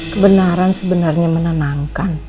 kebenaran sebenarnya menenangkan